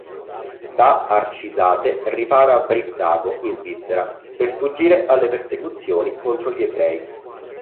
Da Arcisate ripara a Brissago in Svizzera per sfuggire alle persecuzioni contro gli ebrei.